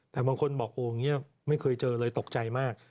แต่บางคนบอกไม่เคยเจอเลยตกใจมาก